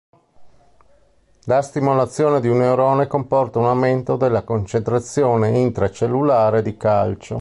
La stimolazione di un neurone comporta un aumento della concentrazione intracellulare di calcio.